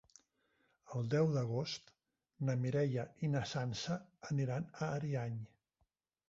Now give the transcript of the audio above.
El deu d'agost na Mireia i na Sança aniran a Ariany.